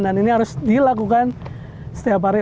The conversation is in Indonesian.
dan ini harus dilakukan setiap hari